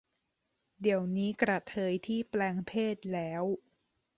เดี๋ยวนี้กระเทยที่แปลงเพศแล้ว